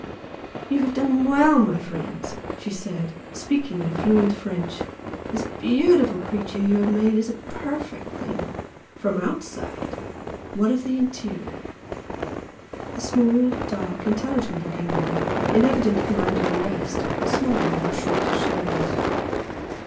"You have done well, my friends!" she said, speaking in fluent French "This beautiful creature you have made seems a perfect thing, from the OUTSIDE. What of the interior?" A small, dark, intelligent looking man, in evident command of the rest, smiled and shrugged his shoulders.